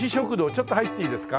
ちょっと入っていいですか？